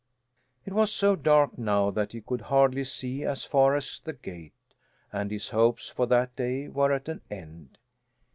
It was so dark now that he could hardly see as far as the gate, and his hopes for that day were at an end.